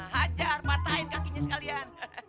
hajar patahin kakinya sekalian